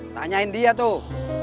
tanyain dia tuh